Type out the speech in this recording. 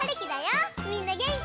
みんなげんき？